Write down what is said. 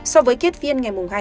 so với kết phiên ngày hai bốn